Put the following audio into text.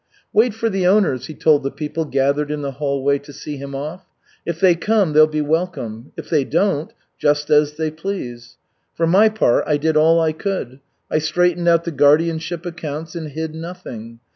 "Wait for the owners," he told the people gathered in the hallway to see him off. "If they come, they'll be welcome; if they don't just as they please. For my part, I did all I could. I straightened out the guardianship accounts and hid nothing.